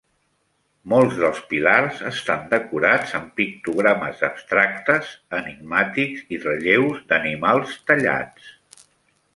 Molts dels pilars estan decorats amb pictogrames abstractes, enigmàtics i relleus d'animals tallats.